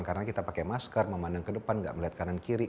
karena kita pakai masker memandang ke depan gak melihat kanan kiri